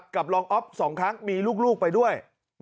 กับรองอ๊อฟ๒ครั้งมีลูกไปด้วย